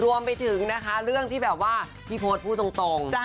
รวมไปถึงนะคะเรื่องที่แบบว่าพี่โพธพูดตรง